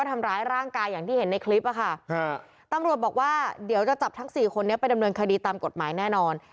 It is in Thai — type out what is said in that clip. ต่ำรวจบอกว่าเดี๋ยวจะจับทั้งสี่คนนี้ไปดำเนินคดีตามกฎหมายแน่นอน